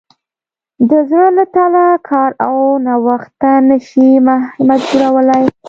د زړه له تله کار او نوښت ته نه شي مجبورولی.